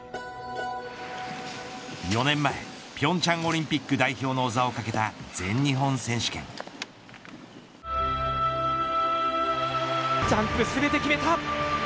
４年前、平昌オリンピック代表の座を懸けたジャンプ全て決めた。